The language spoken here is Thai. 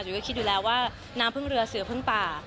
ก็คิดอยู่แล้วว่าน้ำพึ่งเรือเสือพึ่งป่า